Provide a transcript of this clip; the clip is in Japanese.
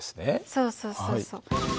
そうそうそうそう。